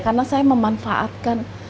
karena saya memanfaatkan